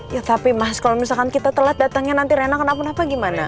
ya tapi mas kalau misalkan kita telat datangnya nanti rena kenapa gimana